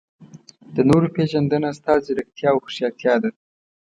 د نورو پېژندنه ستا ځیرکتیا او هوښیارتیا ده.